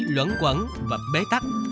luẩn quẩn và bế tắc